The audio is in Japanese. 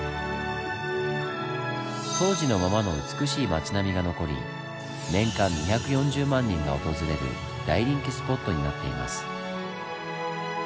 当時のままの美しい町並みが残り年間２４０万人が訪れる大人気スポットになっています。